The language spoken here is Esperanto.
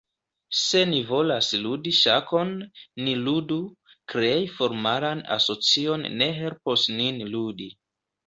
Se ni volas ludi ŝakon, ni ludu, krei formalan asocion ne helpos nin ludi.